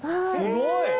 すごい。